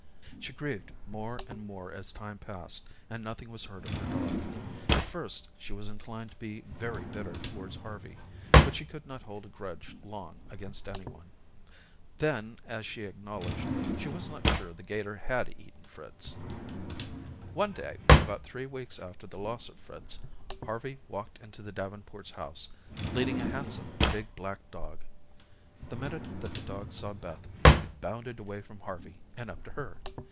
She grieved more and more as time passed and nothing was heard of her dog. At first, she was inclined to be very bitter towards Harvey, but she could not hold a grudge long against any one. Then, as she acknowledged, she was not sure the 'gator had eaten Fritz. One day, about three weeks after the loss of Fritz, Harvey walked into the Davenports' house, leading a handsome, big black dog. The minute that the dog saw Beth, he bounded away from Harvey, and up to her.